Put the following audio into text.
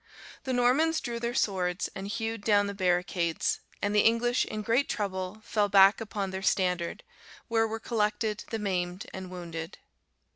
The Normans drew their swords, and hewed down the barricades, and the English in great trouble fell back upon their standard, where were collected the maimed and wounded.